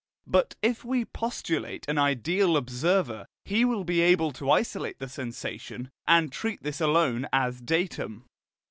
But if we postulate an ideal observer, he will be able to isolate the sensation, and treat this alone as datum.